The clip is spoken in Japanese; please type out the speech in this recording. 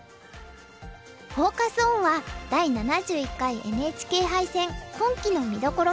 フォーカス・オンは「第７１回ＮＨＫ杯戦今期の見どころは」。